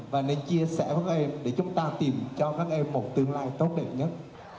và nên chia sẻ với các em để chúng ta tìm cho các em một tương lai tốt đẹp nhất